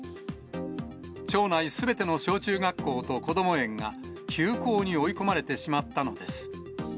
町内すべての小中学校とこども園が休校に追い込まれてしまったのです。